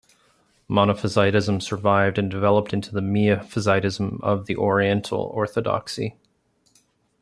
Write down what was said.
Monophysitism survived and developed into the Miaphysitism of the Oriental Orthodoxy.